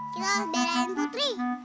kita beri putri